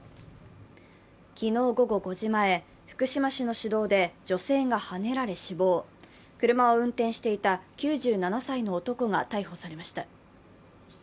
昨日午後５時前、福島市の市道で、女性がはねられ死亡、車を運転していた９７歳の男が逮捕されました。